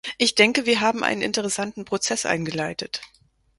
Ich denke, wir haben einen interessanten Prozess eingeleitet.